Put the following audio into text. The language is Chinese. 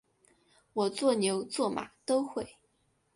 我做牛做马都会